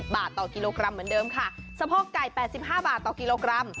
บาทต่อกิโลกรัมเหมือนเดิมค่ะสะโพกไก่๘๕บาทต่อกิโลกรัม